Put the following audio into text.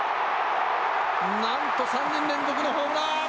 なんと３人連続のホームラン。